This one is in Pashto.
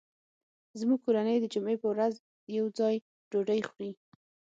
زموږ کورنۍ د جمعې په ورځ یو ځای ډوډۍ خوري